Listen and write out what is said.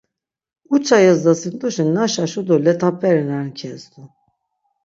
Uça yezdasint̆uşi naşaşu do let̆aperi na ren kezdu.